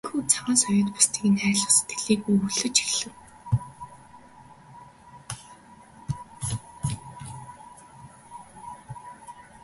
Ийнхүү Цагаан соёот бусдыг хайрлах сэтгэлийг өвөрлөж эхлэв.